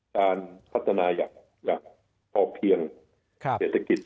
การพัฒนาอย่างพอเพียงเศรษฐกิจ